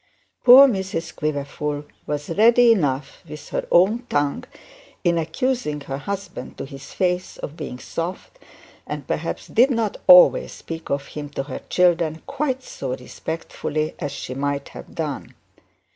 Poor Mrs Quiverful was ready enough with her own tongue in accusing her husband to his face of being soft, and perhaps she did not always speak of him to her children quite so respectfully as she might have done.